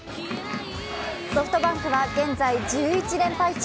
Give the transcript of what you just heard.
ソフトバンクは現在１１連敗中。